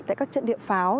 tại các trận điện pháo